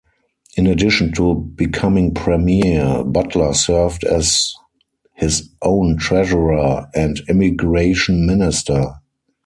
In addition to becoming Premier, Butler served as his own Treasurer and Immigration Minister.